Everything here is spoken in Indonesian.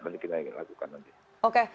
nanti kita ingin lakukan nanti